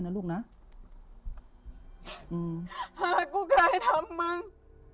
ถ้ากูขอให้ทำมึง